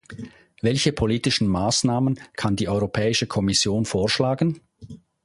Welche politischen Maßnahmen kann die Europäische Kommission vorschlagen?